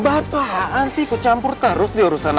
mbak apaan sih kecampur terus di urusan aku